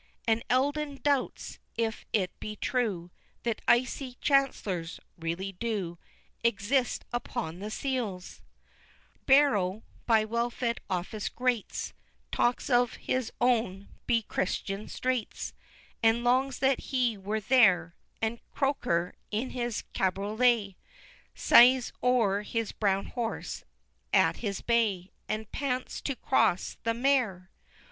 And Eldon doubts if it be true, That icy Chancellors really do Exist upon the seals! XXIV. Barrow, by well fed office grates, Talks of his own bechristen'd Straits, And longs that he were there; And Croker, in his cabriolet, Sighs o'er his brown horse, at his Bay, And pants to cross the mer!